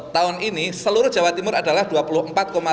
tahun ini seluruh jawa timur adalah dua puluh empat